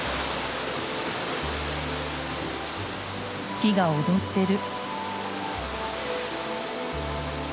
木が踊ってる。